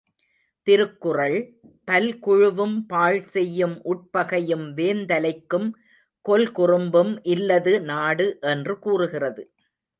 திருக்குறள், பல்குழுவும் பாழ்செய்யும் உட்பகையும் வேந்தலைக்கும் கொல்குறும்பும் இல்லது நாடு என்று கூறுகிறது.